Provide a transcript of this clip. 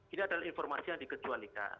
ini adalah informasi yang dikecualikan